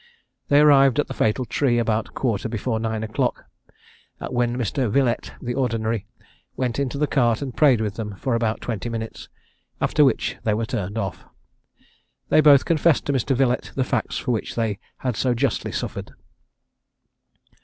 They arrived at the fatal tree about a quarter before nine o'clock, when Mr. Villette, the Ordinary, went into the cart, and prayed with them for about twenty minutes, after which they were turned off. They both confessed to Mr. Villette the facts for which they had so justly suffered.